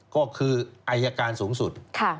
ก็คืออายการสูงสุด